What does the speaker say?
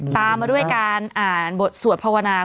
ตามมาด้วยการอ่านบทสวดภาวนา